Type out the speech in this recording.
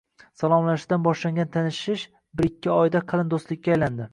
Salomlashishdan boshlangan tanishish bir-ikki oyda qalin do'stlikk aylandi.